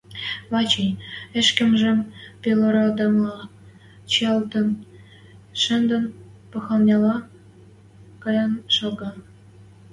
Вачай, ӹшкӹмжӹм пелородыла чиӓлтӹл шӹнден, поханяла кайын шалга.